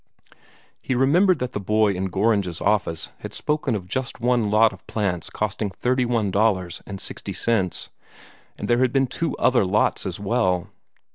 He remembered that the boy in Gorringe's office had spoken of just one lot of plants costing thirty one dollars and sixty cents, and there had been two other lots as well.